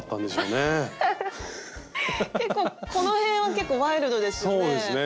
結構この辺は結構ワイルドですよね。